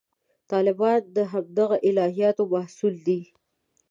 طالبان د همدغه الهیاتو محصول دي.